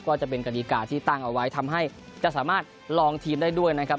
ก็จะเป็นกฎิกาที่ตั้งเอาไว้ทำให้จะสามารถลองทีมได้ด้วยนะครับ